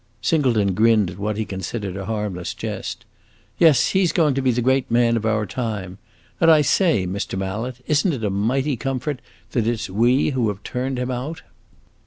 Singleton grinned at what he considered a harmless jest. "Yes, he 's going to be the great man of our time! And I say, Mr. Mallet, is n't it a mighty comfort that it 's we who have turned him out?"